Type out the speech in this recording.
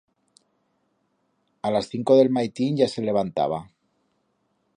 A las cinco d'el maitín ye se levantaba.